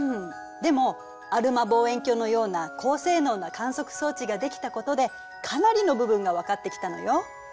でもアルマ望遠鏡のような高性能な観測装置ができたことでかなりの部分が分かってきたのよ。